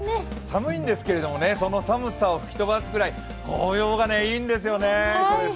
寒いんですけど、その寒さを吹き飛ばすくらい紅葉がいいんですよね。